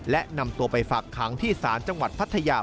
และนำตัวไปฝากขังที่ศาลจังหวัดพัทยา